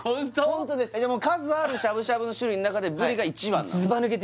ホントです数あるしゃぶしゃぶの種類の中でブリが一番なの？